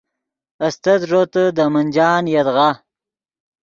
استت ݱوتے دے منجان یدغا